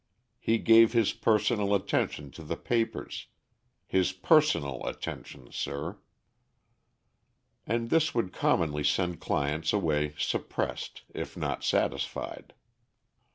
He gave his personal attention to the papers his personal attention, sir." And this would commonly send clients away suppressed, if not satisfied.